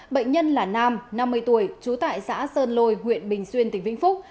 bệnh nhân là nam năm mươi tuổi trú tại xã sơn lôi huyện bình xuyên tỉnh vĩnh phúc